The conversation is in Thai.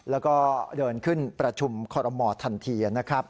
แล้วก็เดินขึ้นประชุมคอรมอทันทีนะครับ